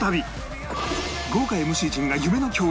豪華 ＭＣ 陣が夢の共演